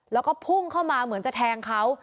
แล้วก็พุ่งเข้ามาเหมือนจะแทงเขา